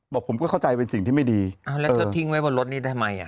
บอกผมก็เข้าใจเป็นสิ่งที่ไม่ดีอ่าแล้วถ้าทิ้งไว้บนรถนี้ทำไมอ่ะ